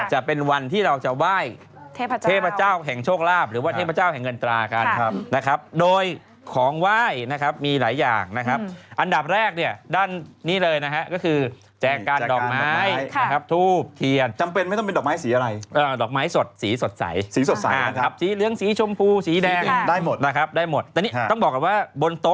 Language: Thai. จะเป็นวันที่เราจะไหว้เทพเจ้าแห่งโชคลาภหรือว่าเทพเจ้าแห่งเงินตรากันนะครับโดยของไหว้นะครับมีหลายอย่างนะครับอันดับแรกเนี่ยด้านนี้เลยนะฮะก็คือแจงการดอกไม้นะครับทูบเทียนจำเป็นไม่ต้องเป็นดอกไม้สีอะไรดอกไม้สดสีสดใสสีสดใสนะครับสีเหลืองสีชมพูสีแดงได้หมดนะครับได้หมดแต่นี่ต้องบอกก่อนว่าบนโต๊